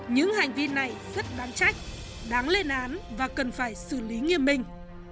những hành vi này rất đáng trách đáng lên án và cần phải xử lý nghiêm minh